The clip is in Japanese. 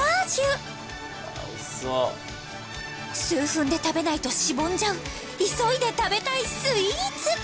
数分で食べないとしぼんじゃう急いで食べたいスイーツ。